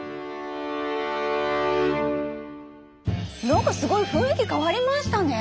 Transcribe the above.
何かすごい雰囲気変わりましたね。